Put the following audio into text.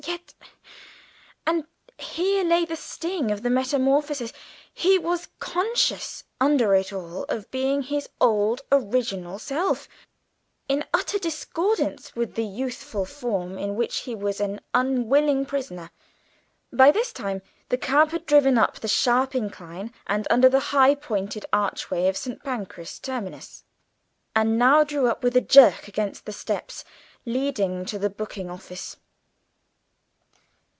Yet and here lay the sting of the metamorphosis he was conscious under it all of being his old original self, in utter discordance with the youthful form in which he was an unwilling prisoner. By this time the cab had driven up the sharp incline, and under the high pointed archway of St. Pancras terminus, and now drew up with a jerk against the steps leading to the booking office.